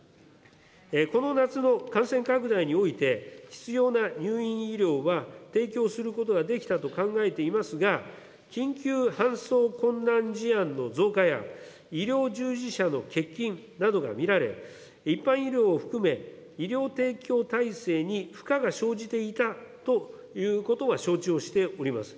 この夏の感染拡大において、必要な入院医療は提供することができたと考えていますが、緊急搬送困難事案の増加や、医療従事者の欠勤などが見られ、一般医療を含め、医療提供体制に負荷が生じていたということは承知をしております。